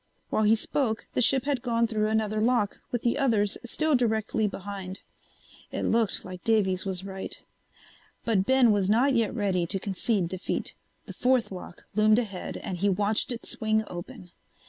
While he spoke the ship had gone through another lock with the others still directly behind. It looked like Davies was right. But Ben was not yet ready to concede defeat. The fourth lock loomed ahead and he watched it swing open.